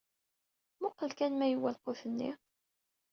Muqel kan ma yewwa lqut-nni?